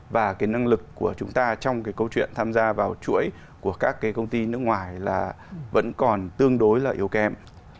và cái năng lực của chúng ta trong cái câu chuyện tham gia vào chuỗi của các cái công ty nước ngoài là vẫn còn tương đối là yếu kém